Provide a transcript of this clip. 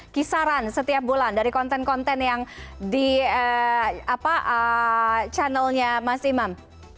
kisaran setiap bulan dari konten konten yang di channelnya mas imam